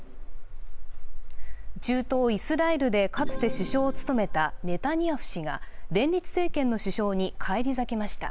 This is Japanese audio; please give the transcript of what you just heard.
中東イスラエルでかつて首相を務めたネタニヤフ氏が連立政権の首相に返り咲きました。